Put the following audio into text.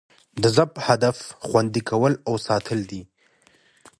د ضبط هدف؛ خوندي کول او ساتل دي.